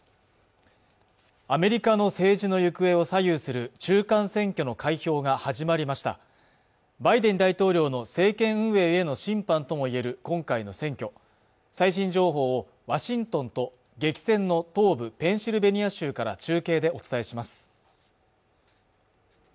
アメリカの政治の行方を左右する中間選挙の開票が始まりましたバイデン大統領の政権運営への審判ともいえる今回の選挙最新情報をワシントンと激戦の東部ペンシルベニア州から中継でお伝えします